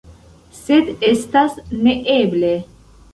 Sed estas neeble.